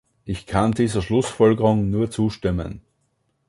Ich kann dieser Schlussfolgerung nur zustimmen.